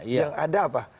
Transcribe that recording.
yang ada apa